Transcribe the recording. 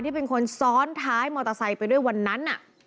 เป็นคนซ้อนท้ายมอเตอร์ไซค์ไปด้วยวันนั้น